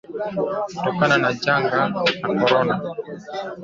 kutokana na janga la Korona